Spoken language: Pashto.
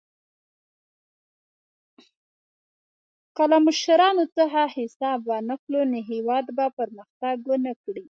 که له مشرانو څخه حساب وانخلو، نو هېواد به پرمختګ ونه کړي.